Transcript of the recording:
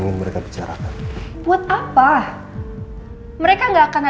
kita bisa melakukannya